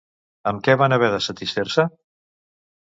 Amb què van haver de satisfer-se?